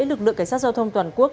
được lượng cảnh sát giao thông toàn quốc